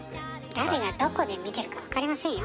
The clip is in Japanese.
誰がどこで見てるか分かりませんよ。